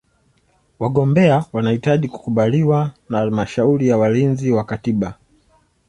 Wagombea wanahitaji kukubaliwa na Halmashauri ya Walinzi wa Katiba.